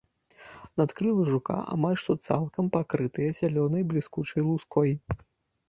Надкрылы жука амаль што цалкам пакрытыя залёнай бліскучай луской.